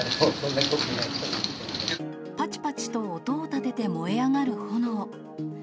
ぱちぱちと音をたてて燃え上がる炎。